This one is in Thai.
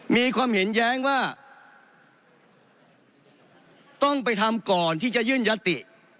มีความเห็นแย้งว่าต้องไปทำก่อนที่จะยื่นยติ